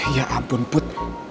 ya ampun put